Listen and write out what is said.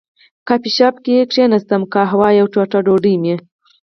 کافي شاپ کې کېناستم، قهوه او یوه ټوټه ډوډۍ مې.